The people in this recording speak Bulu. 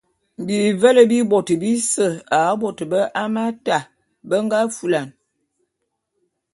Bivele bi bôt bise a bôt bé Hamata be nga fulane.